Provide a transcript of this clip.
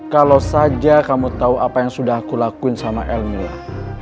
kalo saja kamu tau apa yang sudah aku lakuin sama el mila